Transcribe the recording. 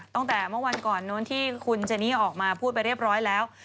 ตั้งแต่เมื่อวันก่อนนู้นที่คุณเจนี่ออกมาพูดไปเรียบร้อยแล้ว